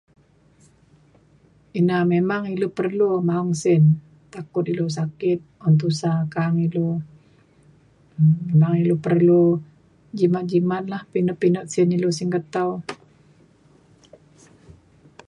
ina memang ilu perlu maong sin takut ilu sakit un tusa ka’ang ilu memang ilu perlu jimat jimat lah pinat pinat sin ilu singget tau.